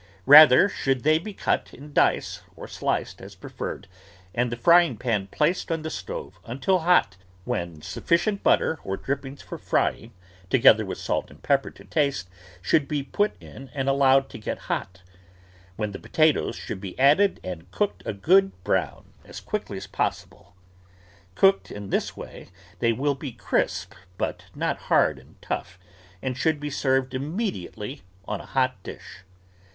Rather should they be cut in dice or sliced as preferred, and the frying pan placed on the stove until hot, when sufficient butter or drij)pings for frying, to gether with salt and pepper to taste, should be put in and allowed to get hot, M^hen the potatoes should be added and cooked a good brown as quickly as possible. Cooked in this way, they will be crisp, but not hard and tough, and should be served imme diately on a hot dish.